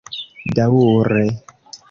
daŭre